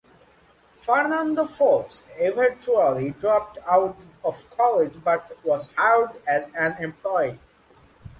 Fernando Flores eventually dropped out of college but was hired as an employee.